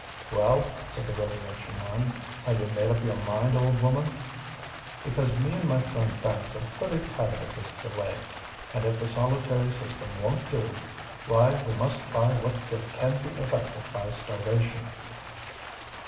"Well," said the Resurrection Man, "have you made up your mind, old woman? Because me and my friend Banks are pretty tired of this delay; and if the solitary system won't do—why, we must try what good can be effected by starvation."